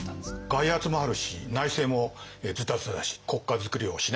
外圧もあるし内政もズタズタだし国家づくりをしなきゃならないと。